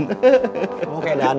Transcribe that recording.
saya lihat kamu dari jalan